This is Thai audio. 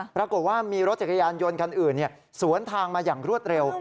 ปรากฏว่ามีรถจักรยานยนต์คันอื่นสวนทางมาอย่างรวดเร็ว